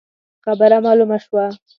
خبره مالومه شوه.